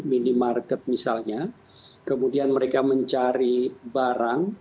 minimarket misalnya kemudian mereka mencari barang